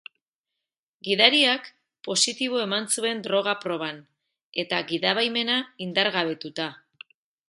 Gidariak positibo eman zuen droga proban, eta gidabaimena indargabetuta.